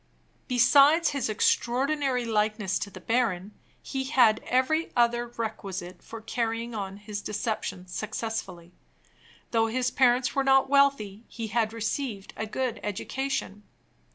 Besides his extraordinary likeness to the baron, he had every other requisite for carrying on his deception successfully. Though his parents were not wealthy, he had received a good education.